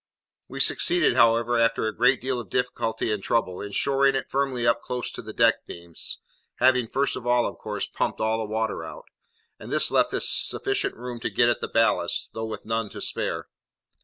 We succeeded, however, after a great deal of difficulty and trouble, in shoring it firmly up close to the deck beams (having first of all, of course, pumped all the water out); and this left us sufficient room to get at the ballast, though with none to spare.